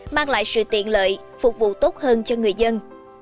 mang lại sự tiện lợi phục vụ tốt hơn cho người dân